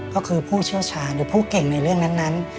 ก็คือผู้เชี่ยวชาญหรือผู้เก่งในเรื่องนั้น